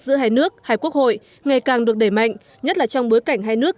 giữa hai nước hai quốc hội ngày càng được đẩy mạnh nhất là trong bối cảnh hai nước